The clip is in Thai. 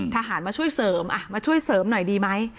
มาช่วยเสริมมาช่วยเสริมหน่อยดีไหม